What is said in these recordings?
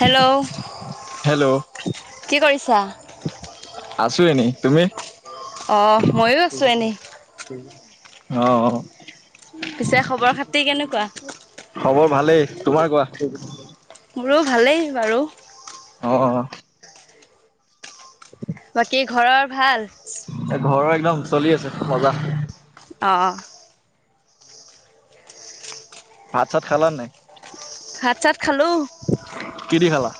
Hello, hello কি কৰিছা? আছোঁ এনেই, তুমি? অ', ময়ো আছোঁ এনেই। অ' পিছে খবৰ খাতি কেনেকুৱা খবৰ ভালেই, তোমাৰ কোৱা। মোৰো ভালেই বাৰু। অ' বাকী ঘৰৰ ভাল? ঘৰৰ একদম চলি আছে, মজা। অ', ভাত চাত খালা নাই? ভাত চাত খালোঁ। কি দি খালা?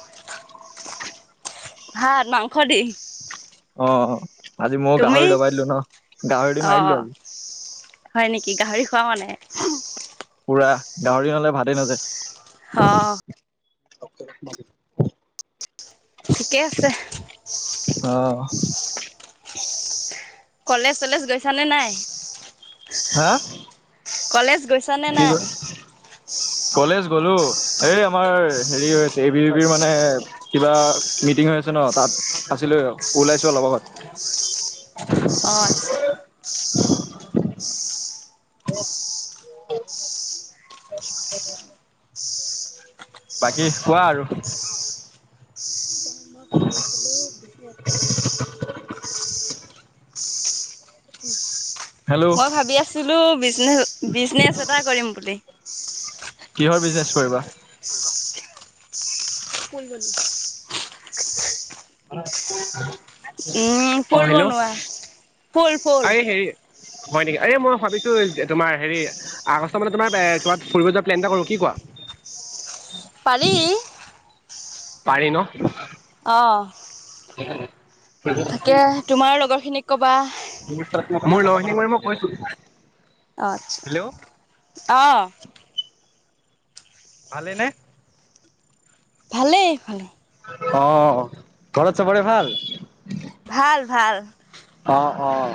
ভাত, মাংস দি। অ' আজি মও তুমি গাহৰি ডবাই দিলোঁ ন, গাহৰি দি মাৰি অঁ দিলোঁ আজি। হয়, নেকি গাহৰি খোৱা মানে। পুৰা গাহৰি নহ'লে ভাতে নাযায়। অঁ [inaudible] ঠিকে আছে। অ', কলেজ চলেজ গৈছানে নাই? হা? কলেজ গৈছানে কি নাই ক' কলেজ গ'লো এই আমাৰ হেৰি হৈছে এ বি এ বি মানে কিবা মিটিং হৈ আছে ন' তাত আছিলো ওলাইছো অলপ আগত। অঁ আচ্ছা [inaudible] বাকী কোৱা আৰু। হেল্ল' মই ভাবি আছিলো বিজনে বিজনেচ এটা কৰিম বুলি। [inaudible] কিহৰ বিজনেচ কৰিবা? ফুল বনোৱা। [inaudible] উম, অ', ফুল হেল্ল' বনোৱা ফুল, ফুল। এই হেৰি হয় নেকি, এই মই ভাবিছো তোমাৰ হেৰি আগষ্ট মানত তোমাৰ এ ক'ৰবাত ফুৰিব যোৱাৰ প্লেন এটা কৰোঁ, কি কোৱা? পাৰি। পাৰি ন'? অ'। [unintelligible] তাকে, তোমাৰ লগৰ খিনিক ক'বা। [unintelligible] মই কৈছোঁ আতচ্ছা, হেল্ল' অ' ভালে নে? ভালেই, ভালে। অ', ঘৰত চবৰে ভাল? ভাল, ভাল। অ', অ'।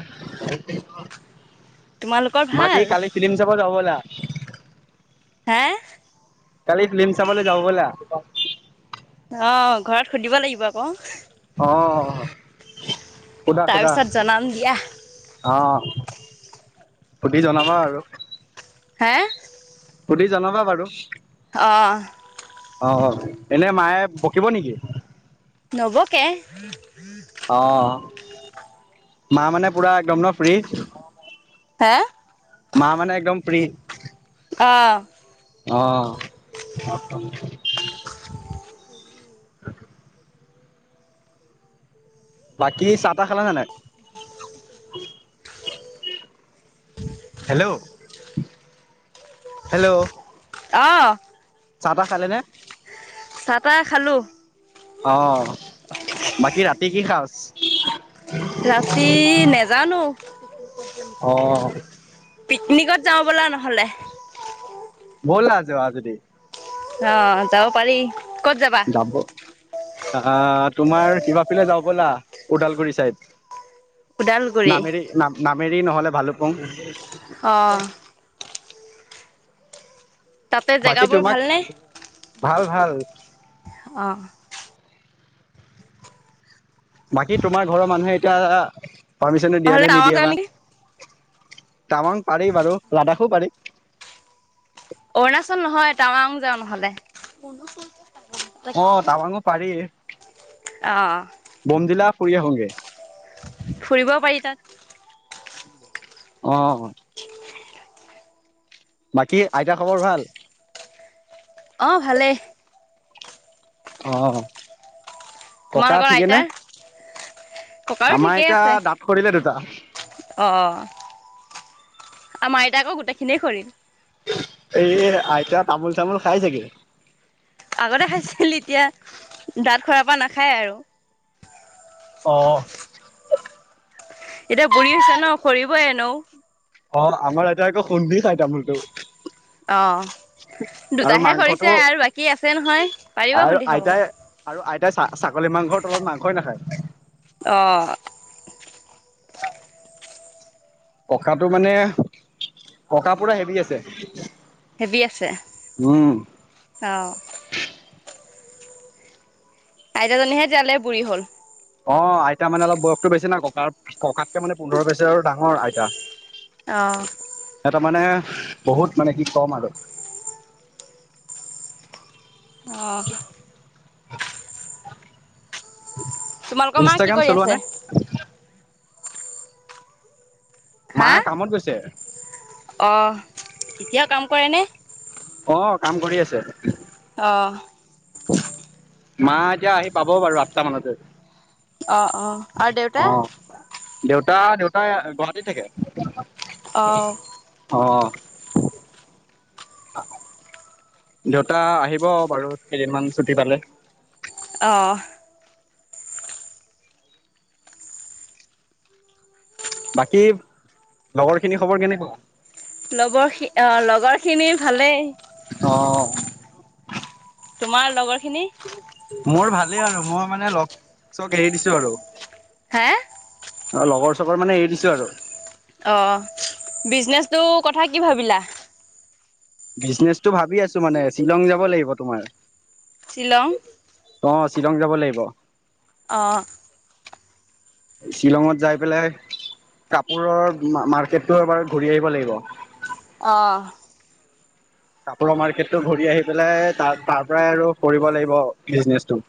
তোমালোকৰ বাকী ভাল? কালি ফিলিম চাব যাওঁ ব'লা। হা কালি ফিলিম চাবলৈ যাওঁ ব'লা। অ', ঘৰত সুধিব লাগিব আকৌ। অ' সুধা সুধা তাৰপিছত জনাম দিয়া। অ সুধি জনাবা আৰু। হা সুধি জনাবা বাৰু। অ'। অ', এনে মায়ে বকিব নেকি? নবকে। অ' মা, মানে পুৰা একদম ন ফ্ৰী? হা মা মানে একদম ফ্ৰি। অ' অ' [unintelligible] বাকী চাহ তাহ খালা নে নাই? হেল্ল, হেল্ল অ' চাহ তাহ খালে নে? চাহ তাহ খালোঁ। অ', বাকী ৰাতি কি সাজ? ৰাতি নেজানো অ' পিকনিকত যাওঁ ব'লা নহ'লে ব'লা যোৱা যদি অ, যাব পাৰি কত যাবা। যাব আহ তোমাৰ কিবাফিলে যাবা বলা ওদালগুৰি চাইদ। ওদালগুৰি নামেৰি নাম নামৰি নহ'লে ভালুকপুং। অহ, তাতে বাকী জেগাবোৰ তোমাক ভালনে? ভাল ভাল। অ বাকী তোমাৰ ঘৰৰ মানুহে এতিয়া পাৰ্মিচনো দিয়া নহ'লে নে টাৱাং নিদিয়ে যাওঁ বা নেকি? তামাং পাৰি বাৰু লাডাখো পাৰি। অৰুণাচল নহয় টাৱাং যাওঁ নহলে অ টাবাং পাৰি অহ। বমদিলা ফুৰি আহোগে ফুৰিবও পাৰি তাত। [unintelligible] অহ বাকী আইতা খবৰ ভাল। অ ভালেই। অহ। তোমালোকৰ আইতাৰ। ককাৰো আমাৰ ঠিকেই আছে এতিয়া দাঁত শৰিলে দুটা। আৰু আইতাকৰ আকৌ গোটেই খিনিয়ে সৰিল। এই আইতা তামোল চামোল খাই ঠাকে আগতে খাইছিল এতিয়া দাঁত সৰা পৰা নাখায় আৰু। অহ। এতিয়া বুঢ়ী হৈছে ন সৰিব এনো। অ আমাৰ এয়া একৌ সুন্দি চাই তামোলটো। অ আৰু দুটাহে সৰিছে মাংসটো আৰু বাকী আছে নহয় পাৰিব খুন্দি খাৱ। [unintelligible] ছাগল মাংৰ তলত মাংস নাখায়। অহ ককাটো মানে ককা পুৰা হেভি আছে। হেভি আছে উম অ। আইতাজনীহে জালে বুঢ়ী হল। অ', আইতা মানে অলপ বয়সটো বেছি ন, ককাৰ, ককাতকে মানে পোন্ধৰ বছৰ ডাঙৰ আইতা। অ এ, তাৰ মানে বহুত মানে কি, কম আৰু। অ' তোমালোকৰ মা কি, ইনষ্টাগ্ৰাম কৰি চলোৱা নে আছে? মা হা কামত গৈছে। অ', এতিয়াও কাম কৰেনে? অ', কাম কৰি আছে। অ' মা এতিয়া আহি পাব বাৰু আঠটা মানতে। অ', অ', আৰু দেউতা? অ দেউতা, দেউতা গুৱাহাটীত থাকে। অ অ'। দেউতা আহিব বাৰু কেইদিনমান ছুটি পালে। অ'। বাকী লগৰ খিনি খবৰ কেনেকুৱা? লগৰ খিন-অ', লগৰ খিনিৰ ভালেই। অ'। তোমাৰ লগৰ খিনি মোৰ ভালেই আৰু মই মানে লগ চক এৰি দিছোঁ আৰু। হা অ', লগৰ চগৰ মানে এৰি দিছোঁ আৰু। অ', বিজনেচটো কথা কি ভাবিলা? বিজনেছটো ভাবি আছো মানে, শ্বিলং যাব লাগিব তোমাৰ। শ্বিলং। অ', শ্বিলং যাব লাগিব। অ'। শ্বিলঙত যাই পেলাই কাপোৰৰ মাৰ্কেটটো এবাৰ ঘূৰি আহিব লাগিব। অ'। কাপোৰৰ মাৰ্কেটটো ঘূৰি আহি পেলাই তাৰ তাৰ পৰাই আৰু কৰিব লাগিব বিজনেচটো।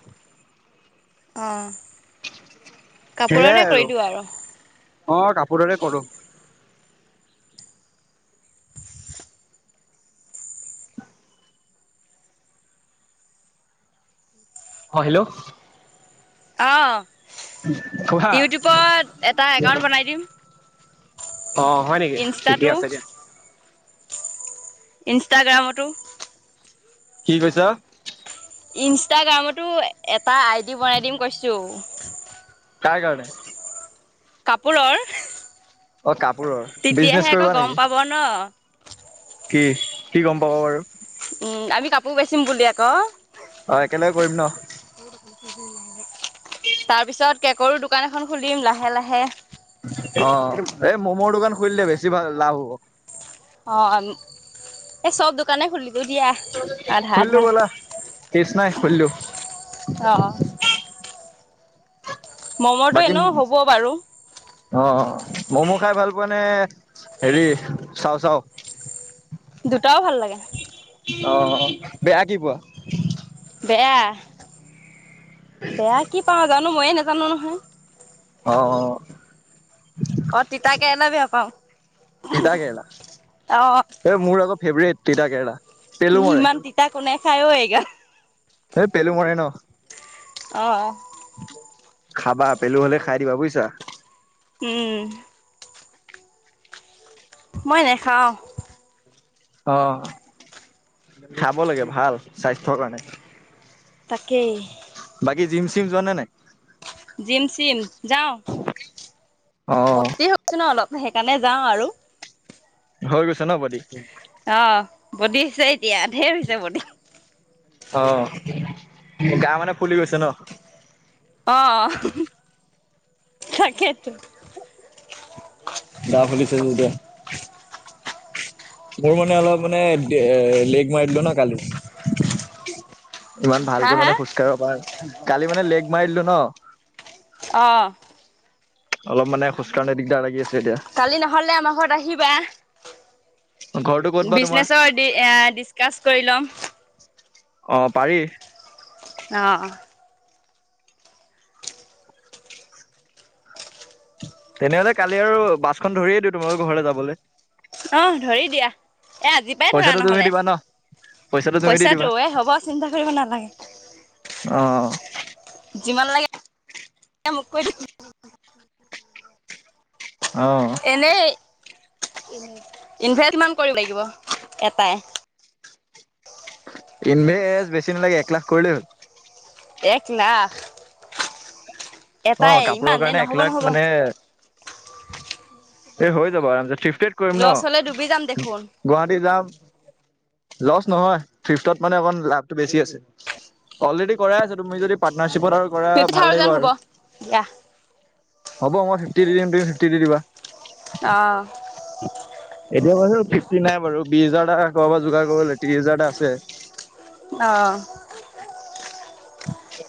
কাপোৰতে সেইয়াই কৰি আৰু দিওঁ অ', কাপোৰৰে কৰোঁ। অ', হেল্ল'। অ'। কোৱা। ইউটিউবত এটা একাউন্ট বনাই দিম। অ', হয় নেকি? ঠিকে ইনষ্টাটো আছে দিয়া। ইনষ্টাগ্ৰামতো কি কৈছা? ইনষ্টাগ্ৰামতো এটা আইডি বনাই দিম কৈছোঁ। কাৰ কাৰণে? কাপোৰৰ। অ', কাপ তেতিয়াহে আকৌ গম পাব ন'। কি? কি গম পাব বাৰু? উম, আমি কাপোৰ বেচিম বুলি আকৌ। অ', একেলগে কৰিম ন'। বি আৰু তাৰ পিছত কেকৰো দোকান এখন খুলিম লাহে লাহে। অ', এই ম'ম'ৰ দোকান খুলিলে বেছি ভাল লাভ হ'ব। অ', এ চব দোকানে খুলি খুলিদিও ব'লা কেছ নাই খুলিদিও। অ ম'ম'ৰটো এনেও হ'ব বাৰু। অ', ম'ম' খাই ভাল পোৱা নে হেৰি চাও চাও? দুটাও ভাল লাগে। অ বেয়া কি পোৱা? বেয়া বেয়া কি পাওঁ যাত নো ময়ে নাজানোঁ নহয়। অ', অ'। অ', তিতা কেৰেলা বেয়া পাওঁ। তিতা কেৰেলা, অ এই মোৰ আকৌ ফেভৰেট। তিতা কেৰেলা। পেলু মৰে ইমান তিতা কোনে খাই অ', এইগাল। এই পেলু মৰে ন? অ খাবা পেলু হ'লে, খাই দিবা বুইছা। উম। মই নেখাওঁ। অ', খাব লাগে ভাল, স্বাস্থ্যৰ কাৰণে। তাক কেই জিম, চিম যোৱা নে নাই? জিম চিম যাওঁ। অ [unintelligible] হৈছোঁ ন, অলপ? সেইকাৰণে যাওঁ আৰু। হৈ গৈছে ন, বডী অ', বডী [unintelligible] তিয়া ঢেৰ হৈছে ব অ গা মানে ফুলি গৈছে ন অ তাকেটো দা খুলিছে যেতিয়া মোৰ মানে অলপ মানে দে লেগ মাৰি দিলো ন কালি ইমান হা ভালকে হা মানে খোজকাঢ়িব পাৰ কালি মানে লেগ মাৰি দিলো ন অ', অলপ মানে খোজ কৰণে দিগদাৰ লাগি আছে এতিয়া কালি নহলে আমাৰ ঘৰত আহিবা ঘৰটো ক'ত বা তোমাৰ বিজনেচৰ ডি এ ডিচকাচ কৰি লম অ পাৰি অ তেনেহলে কালি আৰু বাছখন ধৰিয়েই দিওঁ তোমালোকৰ ঘৰলে যাবলে অহ ধৰি দিয়া এ আজি পৰাই ধৰা পইচাটো তুমি নহ'লে দিবা ন পইচাটো তুমি দি দিবা এ হ'ব চিন্তা কৰিব নালাগে। অ যিমান লাগে মোক কৈ থ [unintelligible] এনেই ইনভেষ্ট মান কৰিব লাগিব এটাই ইনভেষ্ঠ বেছি নালাগে এক লাখ কৰিলেও হ এক লাখ অ এটাই কাপোৰৰ ইমানেই কাৰণে এক নহ'ব লাখ নহ'ব। মানে এ হৈ যাব আৰামচে টিফ ট্ৰেট কৰিম ন লছ হ'লে ডুবি যাম দেখোন গুৱাহাটী যাম লজ নহয় ফিফতত মানে অকণ লাভটো বেছি আছে অলৰেডি কৰাই আছে তুমি যদি পাতনাৰ শ্বিপত আৰু কৰা ফিফটি ভাল লাগিব থাউজেণ্ড হ'ব আৰু দিয়া। [unintelligible] হ'ব মই ফিফটি দি দিম তুমি ফিফটি দি দিবা অহ এতিয়া বাৰু ফিফটি নাই বাৰু বিশ হাজাৰটা কৰ পৰা যোগাৰ কৰিব লাগিব ত্ৰিশ হাজাৰ এটা আছে অহ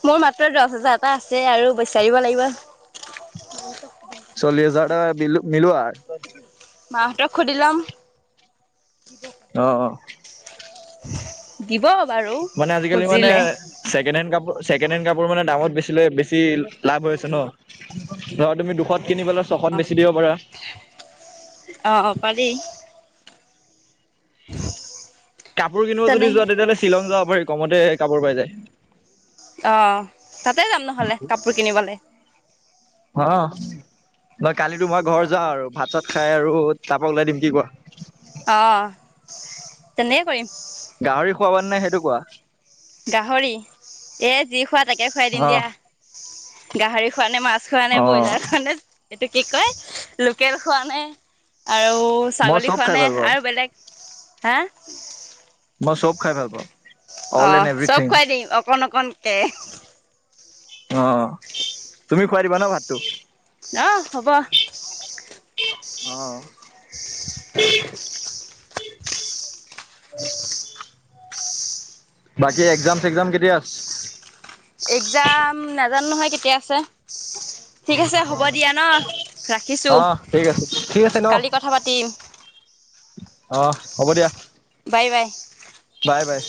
মোৰ মাত্ৰ দচ হাজ। জাৰটা আছে আৰু বিচাৰিব লাগিব। চল্লিছ হাজাৰ এটা মিলো মিলোৱা। মাহঁতক সুধি লম। অ', অ'। [inaudible] বাৰু মানে আজিকালি মানে খুজিলে ছেকেণ্ড হেণ্ড কাপোৰ। ছেকেণ্ড হেণ্ড কাপোৰ মানে দামত বেছিলে বেছি লাভ হৈছে ন', ধৰা তুমি, দুশত কিনি পেলাই ছশত বেছি দিব পাৰা। অ অ' পাৰি। কাপোৰ কিনিব যদি তেনে যোৱা তেতিয়াহ'লে শ্বিলং যাব পাৰি কমতে কাপোৰ পাই যায়। অ', তাতে যাম নহ'লে কাপোৰ কিনিবলৈ। অ', বা কালি ত' মই ঘৰ যাওঁ আৰু ভাত চাত খাই আৰু তাৰপৰা ওলাই দিম কি কোৱা? অ', তেনে কৰিম। গাহৰি খুৱাবা নে নাই সেইটো কোৱা। গাহৰি, এ যি খোৱা তাকে খুৱাই দিম অ', দিয়া। গাহৰি খোৱা নে মাছ খোৱা নে অ', ব্ৰইলাৰ নে এইটো কি কয় লোকেল খোৱা নে আৰু মই ছাগলী চব খোৱা খাই নে ভাল পাওঁ, আৰু বেলেগ হা? মই চব খাই ভাল পাওঁ। অল এণ্ড অ', চব এভৰিথিং। খুৱাই দিম অকণ অকণ কে অ', অ', তুমি খুৱাই দিবা ন' ভাতটো? অ', হ'ব। অ'। [inaudible] [inaudible] বাকী এক্জাম চেগ্জাম কেতিয়া? এক্জাম নাজানো নহয় কেতিয়া আছে? ঠিক আছে হ'ব দিয়া ন', ৰাখিছোঁ অ', ঠিক আছে, ঠিক আছে ন? কালি কথা পাতিম। অ', হ'ব দিয়া। বাই, বাই। বাই, বাই।